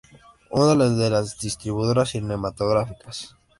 una de las distribuidoras cinematográficas